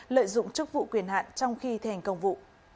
lợi dụng chức vụ quyền hạn trong khi thi hành công vụ